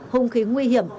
hông khí nguy hiểm